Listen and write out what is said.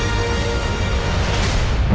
tidak ada yang bisa dihukum